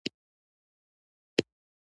حمد په لغت کې ثنا او صفت ویلو ته وایي.